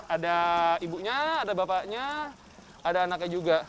ada ibunya ada bapaknya ada anaknya juga